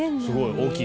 大きい。